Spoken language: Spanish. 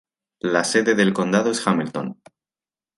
La sede del condado es Hamilton.